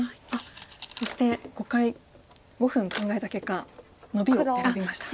そして５回５分考えた結果ノビを選びました。